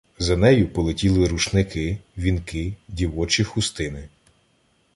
За нею полетіли рушники, вінки, дівочі хустини.